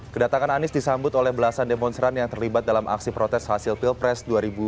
kedatangan anies disambut oleh belasan demonstran yang terlibat dalam aksi protes hasil pilpres dua ribu sembilan belas